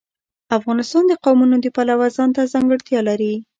افغانستان د قومونه د پلوه ځانته ځانګړتیا لري.